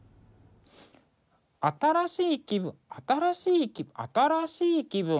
新しい気分新しい気分